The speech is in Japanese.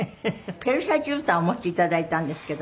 ペルシャ絨毯をお持ち頂いたんですけど。